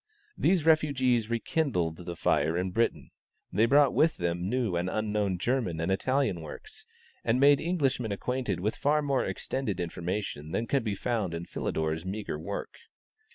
These refugees rekindled the fire in Britain. They brought with them new and unknown German and Italian works, and made Englishmen acquainted with far more extended information than could be found in Philidor's meagre work.